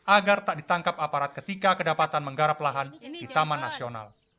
agar tak ditangkap aparat ketika kedapatan menggarap lahan di taman nasional